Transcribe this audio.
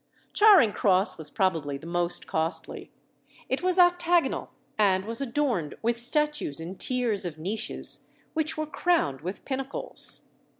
Charing Cross was probably the most costly; it was octagonal, and was adorned with statues in tiers of niches, which were crowned with pinnacles.